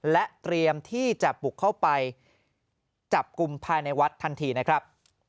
และเตรียมที่จะบุกเข้าไปจับกลุ่มภายในวัดทันทีนะครับ